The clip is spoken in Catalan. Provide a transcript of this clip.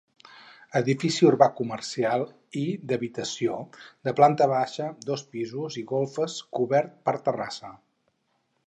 Edifici urbà comercial i d'habitació de planta baixa, dos pisos i golfes, cobert per terrassa.